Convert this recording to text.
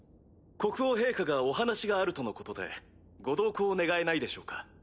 国王陛下がお話があるとのことでご同行願えないでしょうか？